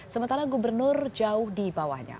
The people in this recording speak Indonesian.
sementara gubernur jauh di bawahnya